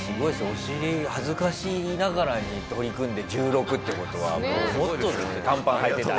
おしり恥ずかしながらに取組んで１６って事はもっと短パン穿いてたら。